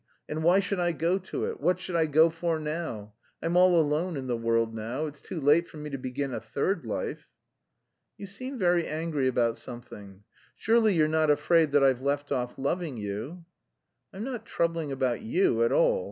And why should I go to it? What should I go for now? I'm all alone in the world now. It's too late for me to begin a third life." "You seem very angry about something. Surely you're not afraid that I've left off loving you?" "I'm not troubling about you at all.